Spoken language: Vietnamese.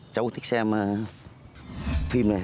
cháu thích xem phim này